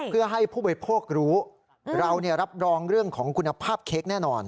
เพื่อให้ผู้บริโภครู้เรารับรองเรื่องของคุณภาพเค้กแน่นอน